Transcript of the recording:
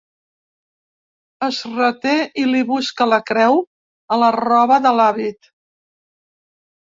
Es reté i li busca la creu a la roba de l'hàbit.